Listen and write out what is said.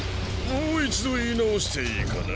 もう一度言い直していいかな？